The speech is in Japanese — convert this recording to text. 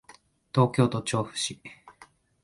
東京都調布市